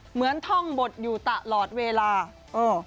เหมือนท่องบดอยู่ตลอดเวลาเออ